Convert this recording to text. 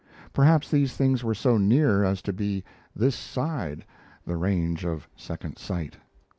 Perhaps these things were so near as to be "this side" the range of second sight.